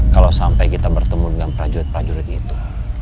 kalau sampai kita bertemu dengan prajurit prajurit itu